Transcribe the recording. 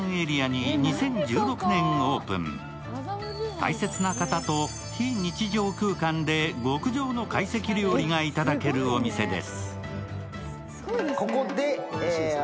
大切な方と非日常空間で極上の懐石料理がいただけるお店です。